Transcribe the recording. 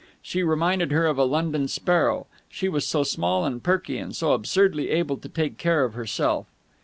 She reminded her of a London sparrow. She was so small and perky and so absurdly able to take care of herself.